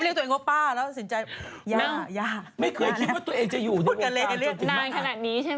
นานขนาดนี้ใช่ไหม